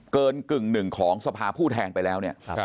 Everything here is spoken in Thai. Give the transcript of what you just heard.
เกินกึ่ง๑ของสภาผู้แทงไปแล้ว